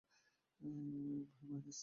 ভাই, মাইনাস?